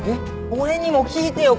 俺にも聞いてよ！